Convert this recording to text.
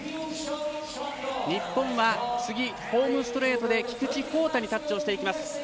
日本は、ホームストレートで菊池耕太にタッチをしていきます。